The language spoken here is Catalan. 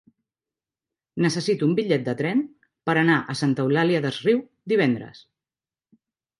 Necessito un bitllet de tren per anar a Santa Eulària des Riu divendres.